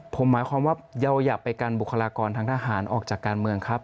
ผมหมายความว่าเราอย่าไปกันบุคลากรทางทหารออกจากการเมืองครับ